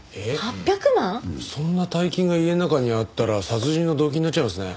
そんな大金が家の中にあったら殺人の動機になっちゃいますね。